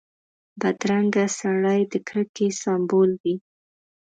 بدرنګه سړی د کرکې سمبول وي